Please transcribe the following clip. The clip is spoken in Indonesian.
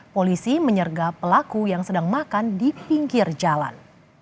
polisi menyerga pelaku yang sedang makan di pinggir jalan